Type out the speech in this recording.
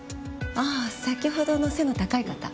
ああ先ほどの背の高い方？